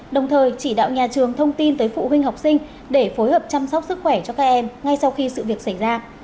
đồng thời chỉ đạo nhà trường thông tin tới phụ huynh học sinh để phối hợp chăm sóc sức khỏe cho các em ngay sau khi sự việc xảy ra